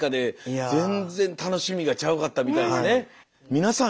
皆さん